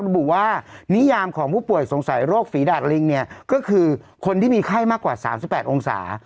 ระบุว่านิยามของผู้ป่วยสงสัยโรคฝีดาดลิงเนี่ยก็คือคนที่มีไข้มากกว่า๓๘องศา